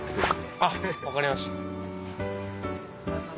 あっ分かりました。